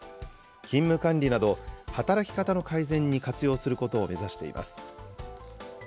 勤務管理など、働き方の改善に活用することを目指しています。